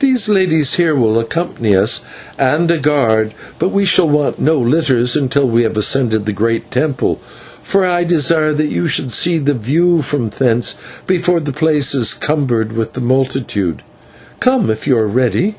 These ladies here will accompany us, and a guard, but we shall want no litters until we have ascended the great temple, for I desire that you should see the view from thence before the place is cumbered with the multitude. Come, if you are ready."